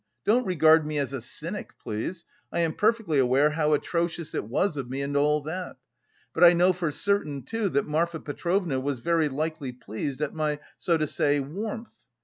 don't regard me as a cynic, please; I am perfectly aware how atrocious it was of me and all that; but I know for certain, too, that Marfa Petrovna was very likely pleased at my, so to say, warmth.